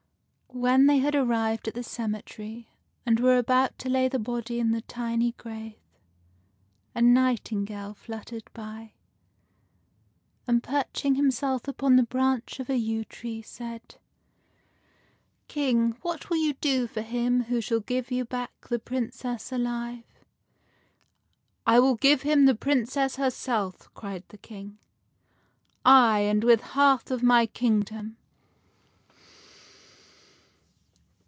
When they had arrived at the cemetery, and were about to lay the body in the tiny grave, a nightingale fluttered by, and, perching himself upon the branch of a yew tree, said, —" King, what will you do for him who shall give you back the Princess alive ?"" I will give him the Princess herself," cried the King, —" ay, and with her half of my kingdom."